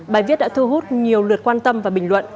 bài viết đã thu hút nhiều lượt quan tâm và bình luận